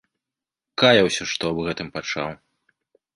Каяўся, што аб гэтым пачаў.